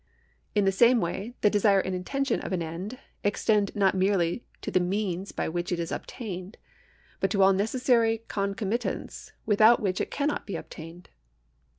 In the same way, the desire and intention of an end extend not merely to the means by which it is obtained, but to all necessary concomitants with out which it cannot be obtained.